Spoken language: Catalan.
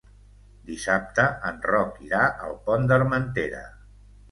Dissabte en Roc irà al Pont d'Armentera.